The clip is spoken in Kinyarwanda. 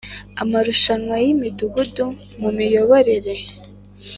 amarushanwa y Imidugudu mu Miyoborere